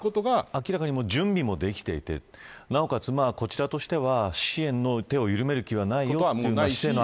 明らかに準備もできていてなおかつ、こちらとしては支援の手を緩める気はないということはあっている。